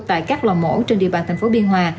tại các lò mổ trên địa bàn tp biên hòa